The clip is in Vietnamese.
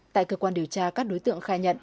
tại cơ quan điều tra các đối tượng khai